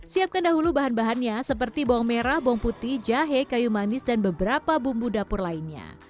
siapkan dahulu bahan bahannya seperti bawang merah bawang putih jahe kayu manis dan beberapa bumbu dapur lainnya